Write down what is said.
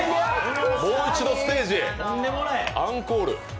もう一度ステージへ、アンコール。